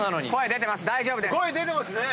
声出てますね。